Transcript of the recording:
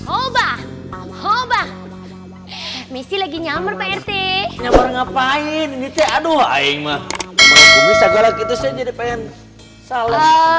oba oba messi lagi nyamar rt ngapain ini teh aduh aing mah bisa gila gitu saya jadi pengen